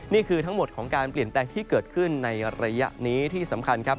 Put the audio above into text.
นี่คือทั้งหมดของการเปลี่ยนแปลงที่เกิดขึ้นในระยะนี้ที่สำคัญครับ